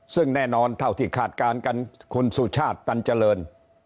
ซึ่งแน่นอนเท่าที่คาดการณ์กันคุณสุชาติตันเจริญ